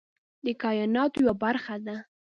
د کایناتو یوه برخه ده.